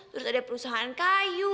terus ada perusahaan kayu